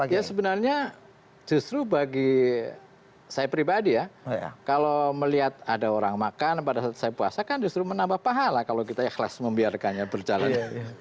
ya sebenarnya justru bagi saya pribadi ya kalau melihat ada orang makan pada saat saya puasa kan justru menambah pahala kalau kita ikhlas membiarkannya berjalan